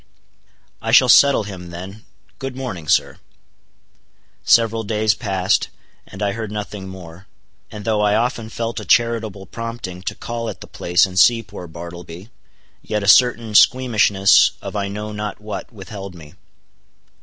"I shall settle him then,—good morning, sir." Several days passed, and I heard nothing more; and though I often felt a charitable prompting to call at the place and see poor Bartleby, yet a certain squeamishness of I know not what withheld me.